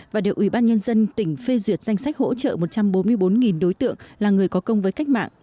và được ủy ban nhân dân tỉnh phê duyệt danh sách hỗ trợ một trăm bốn mươi bốn đối tượng là người có công với cách mạng